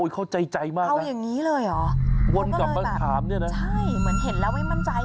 เขาใจมากนะวนกลับมาถามนี่นะเหมือนเห็นแล้วไม่มั่นใจ